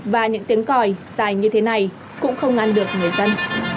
và những tiếng còi dài như thế này cũng không ngăn được người dân